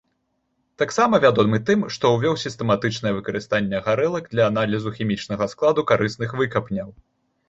Таксама вядомы тым, што ўвёў сістэматычнае выкарыстанне гарэлак для аналізу хімічнага складу карысных выкапняў.